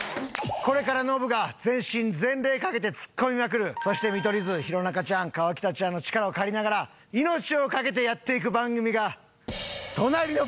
これからノブが全身全霊かけてツッコミまくるそして見取り図弘中ちゃん河北ちゃんの力を借りながら命をかけてやっていく番組が。